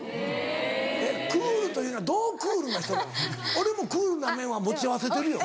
俺もクールな面は持ち合わせてるよ。